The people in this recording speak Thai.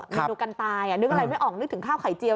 เมนูกันตายนึกอะไรไม่ออกนึกถึงข้าวไข่เจียว